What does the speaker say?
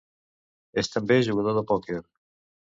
És també jugador de pòquer.